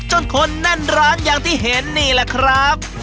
คนแน่นร้านอย่างที่เห็นนี่แหละครับ